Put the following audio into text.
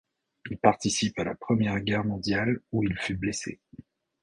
Il participe à la Première Guerre mondiale, où il fut blessé.